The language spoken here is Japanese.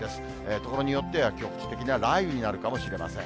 ところによっては局地的な雷雨になるかもしれません。